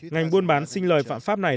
ngành buôn bán sinh lời phạm pháp này